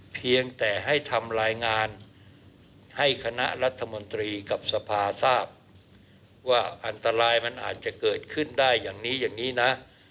เพียงแต่ให้ทำรายงานให้คณะรัฐมนตรีกับสภาทราบว่าอันตรายมันอาจจะเกิดขึ้นได้อย่างนี้อย่างนี้นะ